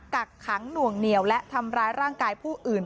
กักขังหน่วงเหนียวและทำร้ายร่างกายผู้อื่น